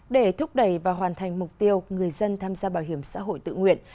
để thúc đẩy và hoàn thành mục tiêu người dân tham gia bảo hiểm xã hội tự nguyện